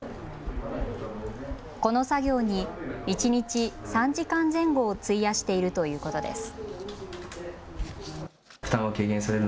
この作業に一日３時間前後を費やしているということです。